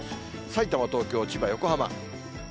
さいたま、東京、千葉、横浜。